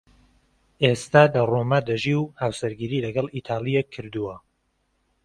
ئێستا لە ڕۆما دەژی و هاوسەرگیریی لەگەڵ ئیتاڵییەک کردووە.